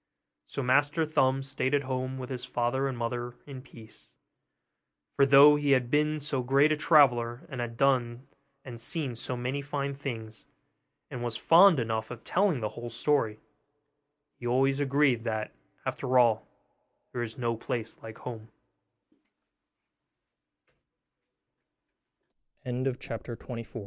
So Master Thumb stayed at home with his father and mother, in peace; for though he had been so great a traveller, and had done and seen so many fine things, and was fond enough of telling the whole story, he always agreed that, after a